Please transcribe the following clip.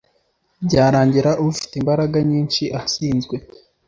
byarangira ufite imbaraga nyinshi atsinzwe